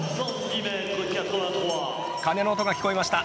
鐘の音が聞こえました。